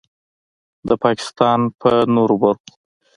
د پاکستان په نورو برخو